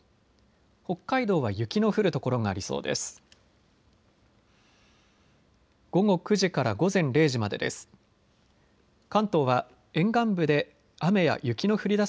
北海道は雪の降る所がありそうです。